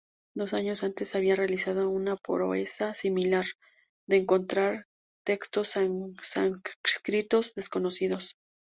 Dos años antes había realizado una proeza similar, de encontrar textos sánscritos desconocidos.